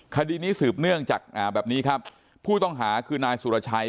คดีนี้สืบเนื่องจากแบบนี้ครับผู้ต้องหาคือนายสุรชัย